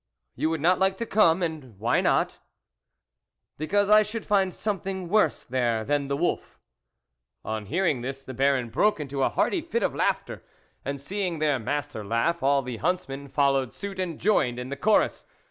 " You would not like to come ? and why not ?" "Because I should find something worse there than the wolf." On hearing this, the Baron broke into a hearty fit of laughter, and, seeing their Master laugh, all the huntsmen followed suit and joined in the chorus.